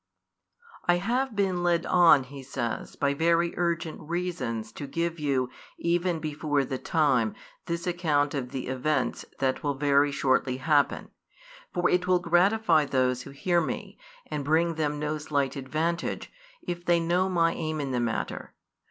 I have been led on, He says, by very urgent reasons to give you, even before the time, this account of the events |191 that will very shortly happen. For it will 1 gratify those who hear Me, and bring them no slight advantage, if they know My aim in the matter.